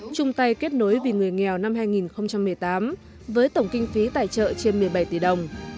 chung tay kết nối vì người nghèo năm hai nghìn một mươi tám với tổng kinh phí tài trợ trên một mươi bảy tỷ đồng